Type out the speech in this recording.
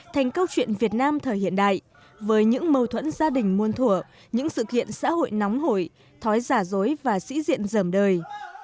thành câu chuyện việt nam thời hiện đại với những mâu thuẫn gia đình muôn thủa những sự kiện xã hội nóng hổi thói giả dối và sĩ diện đời